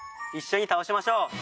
一緒に倒しましょう！